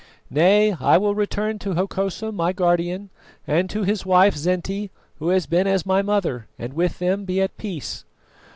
Nay, I will return to Hokosa my guardian, and to his wife, Zinti, who has been as my mother, and with them be at peace."